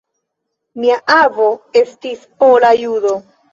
Mia avo estis pola judo.